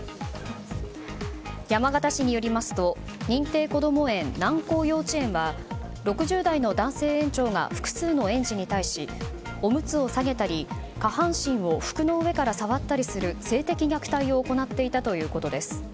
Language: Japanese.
山形市によりますと認定こども園、南光幼稚園は６０代の男性園長が複数の園児に対しオムツを下げたり下半身を服の上から触ったりする性的虐待を行っていたということです。